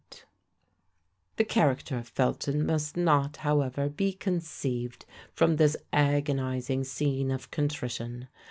The character of Felton must not, however, be conceived from this agonising scene of contrition.